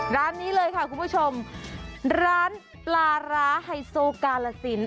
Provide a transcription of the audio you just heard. ร้านนี้เลยค่ะคุณผู้ชมร้านปลาร้าไฮโซกาลสิน